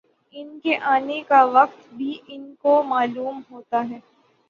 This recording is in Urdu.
ان کے آنے کا وقت بھی ان کو معلوم ہوتا ہے